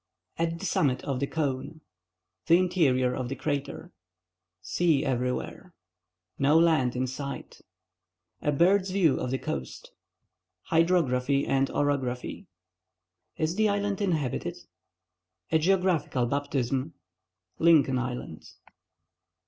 AT THE SUMMIT OF THE CONE—THE INTERIOR OF THE CRATER—SEA EVERYWHERE —NO LAND IN SIGHT—A BIRD'S EVE VIEW OF THE COAST—HYDROGRAPHY AND OROGRAPHY —IS THE ISLAND INHABITED?—A GEOGRAPHICAL BAPTISM—LINCOLN ISLAND.